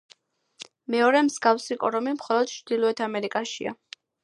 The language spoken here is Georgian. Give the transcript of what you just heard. მეორე მსგავსი კორომი მხოლოდ ჩრდილოეთ ამერიკაშია.